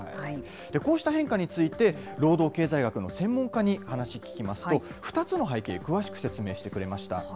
こうした変化について、労働経済学の専門家に話、聞きますと、２つの背景、詳しく説明してくれました。